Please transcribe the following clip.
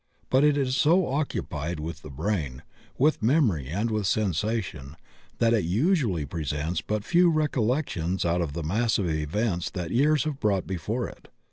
But it is so occupied with the brain, with memory and with sensation, that it usually presents but few recollections out of the mass of events that years have brought before it.